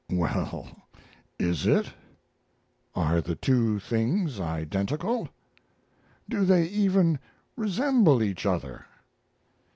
Well, is it? Are the two things identical? Do they even resemble each other?